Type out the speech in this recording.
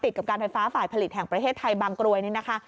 กับการไฟฟ้าฝ่ายผลิตแห่งประเทศไทยบางกรวยนี่นะคะ